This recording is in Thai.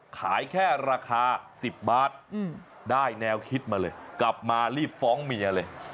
ขายแค่ราคา๑๐บาทได้แนวคิดมาเลยกลับมารีบฟ้องเมียเลย